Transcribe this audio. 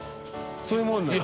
そういうもんなの？